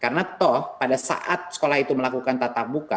karena toh pada saat sekolah itu melakukan tatap muka